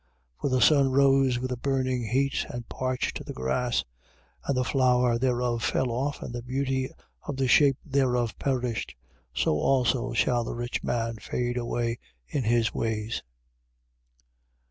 1:11. For the sun rose with a burning heat and parched the grass: and the flower thereof fell off, and the beauty of the shape thereof perished. So also shall the rich man fade away in his ways.